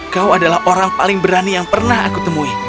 kau adalah orang paling berani yang pernah aku temui